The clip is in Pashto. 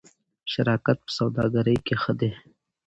شراکت په سوداګرۍ کې ښه دی.